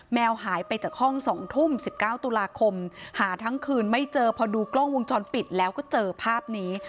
แมวหายไปจากห้อง๒ทุ่ม๑๙ตุลาคมหาทั้งคืนไม่เจอพอดูกล้องวงจรปิดแล้วก็เจอภาพนี้